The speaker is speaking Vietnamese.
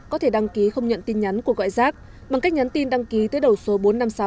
có thể đăng ký không nhận tin nhắn của gọi rác bằng cách nhắn tin đăng ký tới đầu số bốn trăm năm mươi sáu